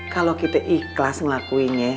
kalau kita ikhlas ngelakuinnya